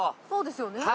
そうですよね？